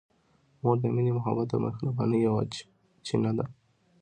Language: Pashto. مور د مینې، محبت او مهربانۍ یوه چینه ده.